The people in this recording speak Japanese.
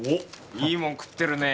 いいもん食ってるねぇ。